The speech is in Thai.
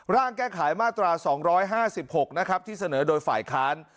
ร่างแก้ไขมาตรา๒๕๖นะครับที่เสนอโดยฝ่ายค้าน